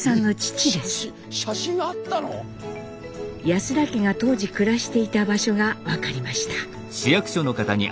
安田家が当時暮らしていた場所が分かりました。